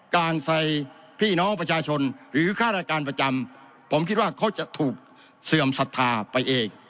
กลางใส่พี่น้องประชาชนหรือค่ารายการประจำผมคิดว่าเขาจะถูกเสื่อมศรัทธาไปเอง